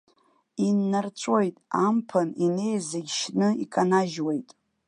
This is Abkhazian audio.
Иннарҵәоит, амԥын инеиз зегь шьны иканажьуеит!